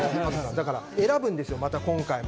選ぶんですよ、また今回も。